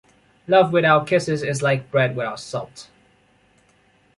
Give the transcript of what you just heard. Love without kisses is like bread without salt.